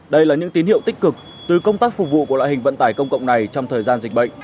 đây là những tín hiệu tích cực từ công tác phục vụ của loại hình vận tải công cộng này trong thời gian dịch bệnh